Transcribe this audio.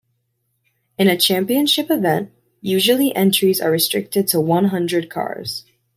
In a championship event, usually entries are restricted to one hundred cars.